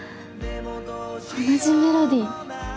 同じメロディー。